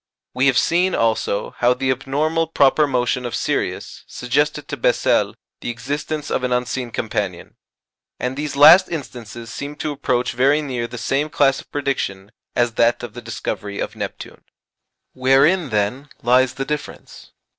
We have seen, also, how the abnormal proper motion of Sirius suggested to Bessel the existence of an unseen companion. And these last instances seem to approach very near the same class of prediction as that of the discovery of Neptune. Wherein, then, lies the difference?